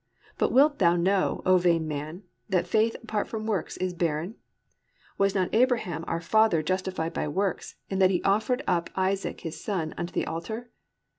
But wilt thou know, O vain man, that faith apart from works is barren? Was not Abraham our father justified by works, in that he offered up Isaac his son, upon the altar?